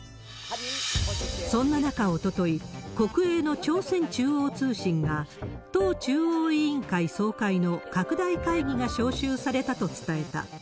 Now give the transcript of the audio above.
そんな中、おととい、国営の朝鮮中央通信が、党中央委員会総会の拡大会議が招集されたと伝えた。